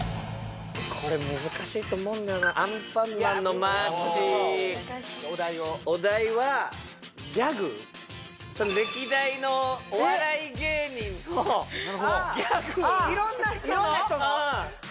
これ難しいと思うんだよな「アンパンマンのマーチ」お題をお題はその歴代のお笑い芸人のギャグ色んな人の？